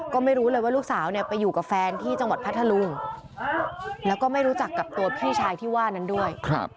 ก็ไม่รู้เลยว่าลูกสาวเนี่ยไปอยู่กับแฟนที่จังหวัดพัทธลุงแล้วก็ไม่รู้จักกับตัวพี่ชายที่ว่านั้นด้วย